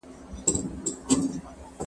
څېړنه یو سپېڅلی او رښتینی مسلک دی.